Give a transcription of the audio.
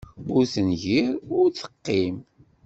Ur tengir, ur teqqim.